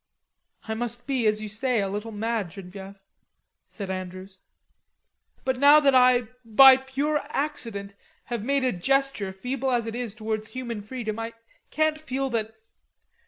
"I must be, as you say, a little mad, Genevieve," said Andrews. "But now that I, by pure accident, have made a gesture, feeble as it is, towards human freedom, I can't feel that....